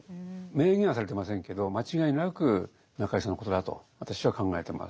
明言はされてませんけど間違いなく中井さんのことだと私は考えてます。